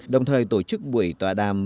đồng thời tổ chức buổi tòa đàm